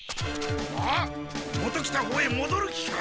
あっ元来たほうへもどる気か？